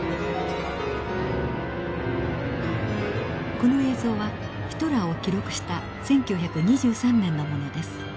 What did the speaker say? この映像はヒトラーを記録した１９２３年のものです。